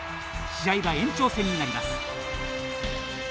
試合は延長戦になります。